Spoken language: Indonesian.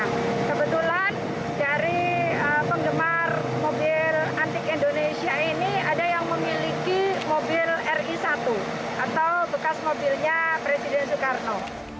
nah kebetulan dari penggemar mobil antik indonesia ini ada yang memiliki mobil ri satu atau bekas mobilnya presiden soekarno